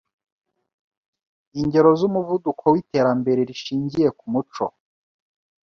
Ingero z’umuvuduko w’íterambere rishingiye ku muco: